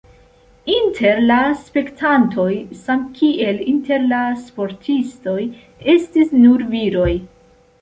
Inter la spektantoj samkiel inter la sportistoj estis nur viroj.